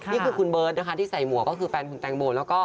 นี่คือคุณเบิร์ตนะคะที่ใส่หมวกก็คือแฟนคุณแตงโมแล้วก็